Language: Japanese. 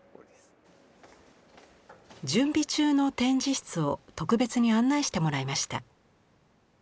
準備中の展示室を特別に案内してもらいました。